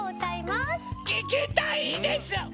ききたいです！